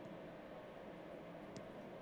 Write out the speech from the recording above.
جگر د پروټینونو د جوړولو لپاره کار کوي.